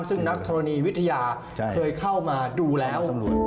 ซึ่งนักธรณีวิทยาเคยเข้ามาดูแล้ว